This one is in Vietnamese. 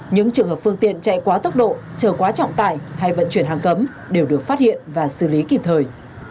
những trường hợp phương tiện chạy quá tốc độ trở quá trọng tải hay vận chuyển hàng cấm đều được phát hiện và xử lý kịp thời